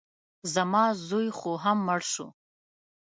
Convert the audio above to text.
زما زوی خو هم مړ شو.